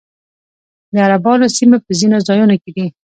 د عربانو سیمې په ځینو ځایونو کې دي